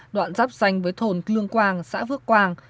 đoạn giáp danh với thôn lương quang xã phước quang